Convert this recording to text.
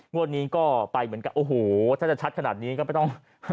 งวดนี้ก็ไปเหมือนกับโอ้โหถ้าจะชัดขนาดนี้ก็ไม่ต้อง